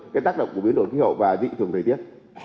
cái tác động của biến đổi khí hậu và dị thường thời tiết